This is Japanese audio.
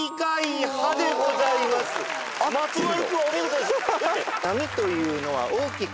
松丸君お見事です。